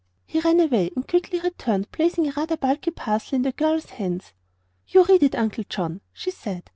He ran away and quickly returned, placing a rather bulky parcel in the girl's hands. "You read it, Uncle John," she said.